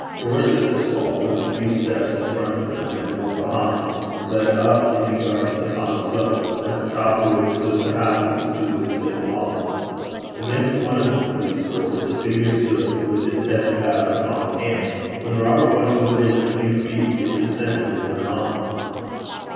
Doors in this wall, with a few steps in front of them and more behind, led up into gardens upon a slope, at the top of which stood the houses to which they belonged. Against one of these doors the figure stood with its head bowed upon its hands. When Robert was within a few feet, it descended and went on.